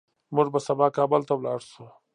موږ به سبا کابل ته لاړ شو